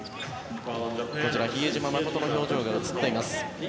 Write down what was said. こちら、比江島慎の表情が映っています。